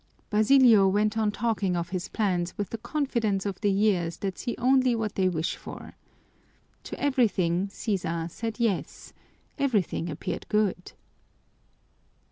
Basilio went on talking of his plans with the confidence of the years that see only what they wish for. To everything Sisa said yes everything appeared good.